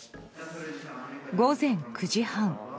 午前９時半。